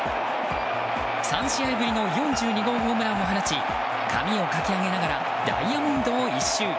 ３試合ぶりの４２号ホームランを放ち髪をかき上げながらダイヤモンドを１周。